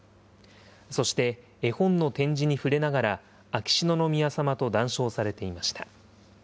そして、絵本の点字に触れながら、秋篠宮さまと談笑されていました。